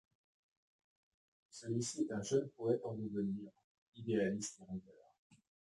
Celui-ci est un jeune poète en devenir, idéaliste et rêveur.